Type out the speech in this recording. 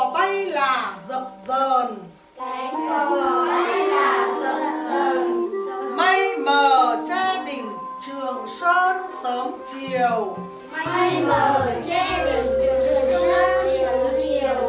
may mờ che đỉnh trường sơn sớm chiều